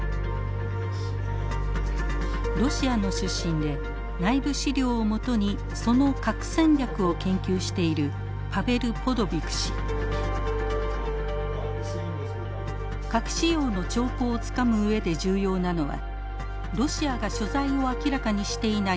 ロシアの出身で内部資料を基にその核戦略を研究している核使用の兆候をつかむ上で重要なのはロシアが所在を明らかにしていない